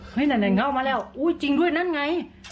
เฮ้ยไหนเขามาแล้วจริงด้วยนั่นไง